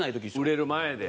売れる前で。